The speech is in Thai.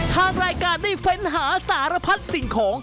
ทางรายการได้เฟ้นหาสารพัดสิ่งของ